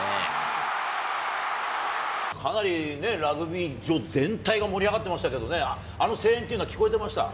かなりね、ラグビー場全体が盛り上がってましたけどね、あの声援というのは、聞こえてました？